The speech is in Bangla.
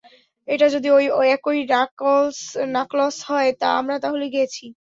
এটা যদি ওই একই নাকলস হয়, আমরা তাহলে গেছি।